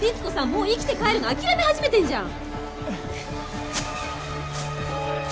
もう生きて帰るの諦め始めてんじゃん！